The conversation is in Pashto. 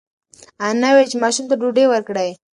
انا وویل چې ماشوم ته ډوډۍ ورکړئ.